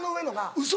ウソ！